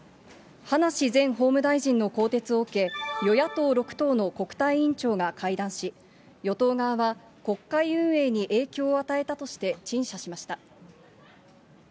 葉梨前法務大臣の更迭を受け、与野党６党の国対委員長が会談し、与党側は、国会運営に影響を与えたとして陳謝しました。